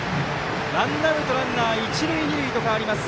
ワンアウトランナー、一塁二塁と変わります